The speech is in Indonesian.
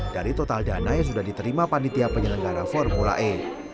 dari total dana yang sudah diterima panitia penyelenggara formula e